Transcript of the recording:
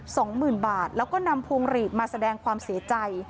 สองหมื่นบาทแล้วก็นำพวงหลีดมาแสดงความเสียใจ